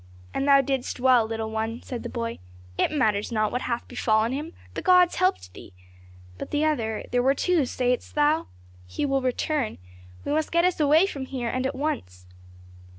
"And thou didst well, little one!" said the boy. "It matters not what hath befallen him, the gods helped thee. But the other there were two, saidst thou? He will return. We must get us away from here and at once."